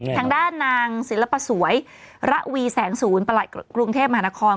ทางด้านนางศิลปสวยระวีแสงศูนย์ประหลัดกรุงเทพมหานคร